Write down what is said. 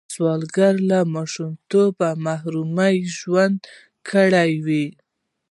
سوالګر له ماشومتوبه محروم ژوند کړی وي